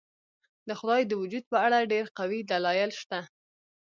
د خدای د وجود په اړه ډېر قوي دلایل شته.